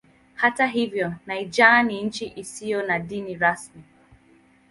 Hata hivyo Niger ni nchi isiyo na dini rasmi.